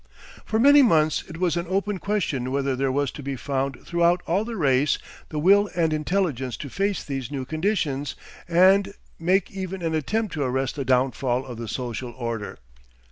For many months it was an open question whether there was to be found throughout all the race the will and intelligence to face these new conditions and make even an attempt to arrest the downfall of the social order.